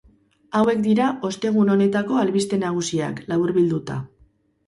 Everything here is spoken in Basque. Hauek dira ostegun honetako albiste nagusiak, laburbilduta.